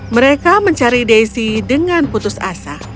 mereka mencari daisy dengan putus asa